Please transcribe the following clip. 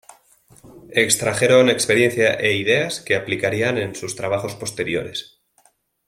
Extrajeron experiencia e ideas que aplicarían en sus trabajos posteriores.